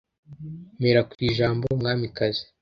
mpera ku ijambo ‘Umwamikazi’